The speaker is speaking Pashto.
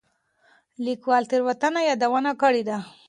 ليکوال تېروتنه يادونه کړې ده.